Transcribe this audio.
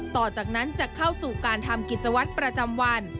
ต่อจากนั้นจะเข้าสู่การทำกิจวัตรประจำวัน